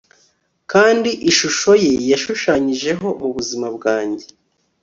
kandi ishusho ye yashushanyijeho mubuzima bwanjye